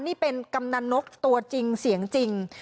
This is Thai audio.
นี่เป็นกำนันนกตัวจริงเสียงจริง